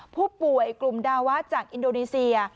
ผู้ป่วยกลุ่มดาวะจากอินโดนีเซีย